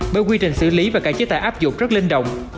bởi quy trình xử lý và cải chế tài áp dụng rất linh động